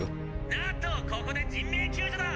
「あぁっとここで人命救助だ！